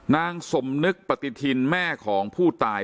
นางสมนึกปฏิทินแม่ของผู้ตาย